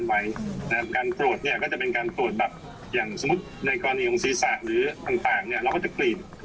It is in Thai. ผมก็เชื่อว่าก็ยังกงสภาพ